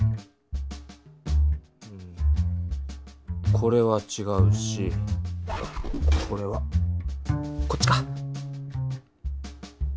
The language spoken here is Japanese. これはちがうしこれはこっちか！